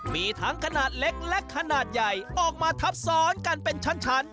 มีทั้งขนาดเล็กและขนาดใหญ่ออกมาทับซ้อนกันเป็นชั้น